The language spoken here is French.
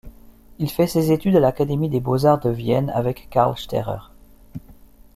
Il fait ses études à l'Académie des beaux-arts de Vienne avec Karl Sterrer.